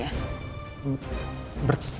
dan sekarang kamu mulai bertingkah lagi ya